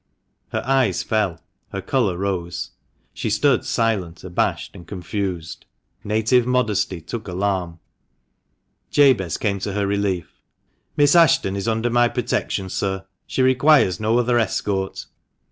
Her eyes fell — her colour rose. She stood silent, abashed, and confused. Native modesty took alarm. Jabez came to her relief. " Miss Ashton is under my protection, sir ; she requires no other escort."